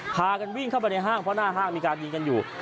พากันวิ่งเข้าไปในห้างเพราะหน้าห้างมีการยิงกันอยู่